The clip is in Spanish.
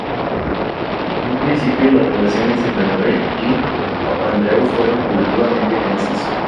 En un principio, las relaciones entre el rey y Papandreu fueron relativamente tensas.